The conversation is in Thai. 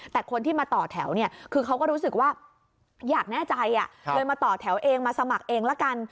แต่คนที่มาต่อแถวเนี่ยคือเขาก็รู้สึกว่าอยากแน่ใจเลยมาต่อแถวเองมาสมัครเองละกัน